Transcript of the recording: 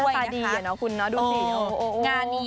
ก็หน้าตาดีเนอะคุณนะดูสิ